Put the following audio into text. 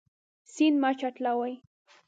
سیند مه چټلوئ.